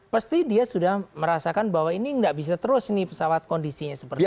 pasti dia sudah merasakan bahwa ini nggak bisa terus nih pesawat kondisinya seperti ini